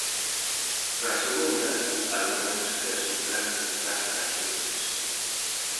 Para a segunda, alonga en exceso o trámite para as pacientes.